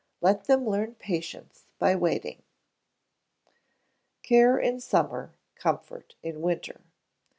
Let them learn patience by waiting. [CARE IN SUMMER, COMFORT IN WINTER.